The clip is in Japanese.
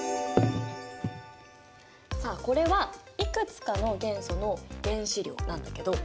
さあこれはいくつかの元素の原子量なんだけど。